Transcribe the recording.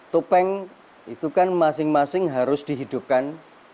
topeng itu kan masing masing harus dihidupkan